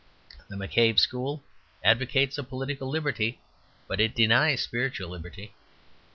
The McCabe school advocates a political liberty, but it denies spiritual liberty.